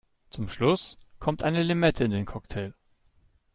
Zum Schluss kommt eine Limette in den Cocktail.